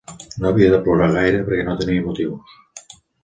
No havia de plorar gaire perquè no tenia motius